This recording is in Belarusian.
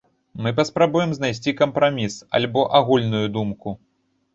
Мы паспрабуем знайсці кампраміс альбо агульную думку.